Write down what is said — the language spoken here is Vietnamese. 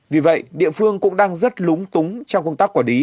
vì vậy địa phương cũng đang rất lúng túng trong công tác quả đí